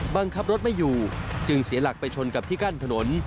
บังคับรถไม่อยู่จึงเสียหลักไปชนกับที่กั้นถนน